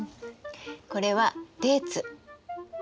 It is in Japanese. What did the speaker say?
これはデーツ。